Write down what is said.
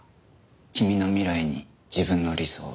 君の未来に自分の理想を。